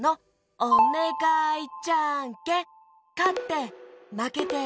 おねがいじゃんけんかってまけて！